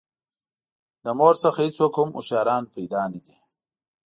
له مور څخه هېڅوک هم هوښیاران پیدا نه دي.